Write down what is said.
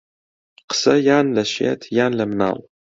قسە یان لە شێت یان لە مناڵ